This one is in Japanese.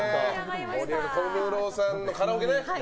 小室さんのカラオケね。